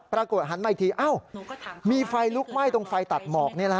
ปรากฏหันมาอีกทีอ้าวมีไฟลุกไหม้ตรงไฟตัดหมอกนี่